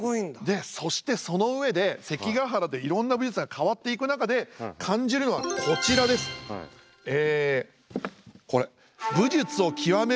でそしてその上で関ヶ原でいろんな武術が変わっていく中で感じるのはこちらです。え？